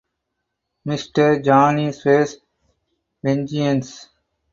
Mister Johnny swears vengeance.